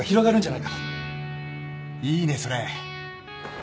いいねそれ